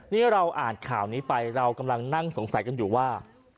นี่เราอ่านข่าวนี้ไปเรากำลังนั่งสงสัยกันอยู่ว่า